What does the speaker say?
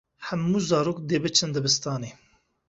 Hemû zarok dê biçin dibistanê.